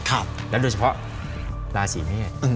แล้วโดยเฉพาะราศีนนี่ไง